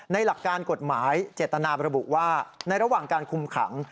หลักการกฎหมายเจตนาบรบุว่าในระหว่างการคุมขัง